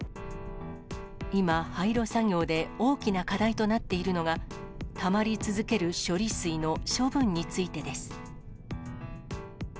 今、廃炉作業で大きな課題となっているのが、たまり続ける処理水の処分についてです。